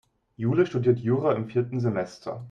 Jule studiert Jura im vierten Semester.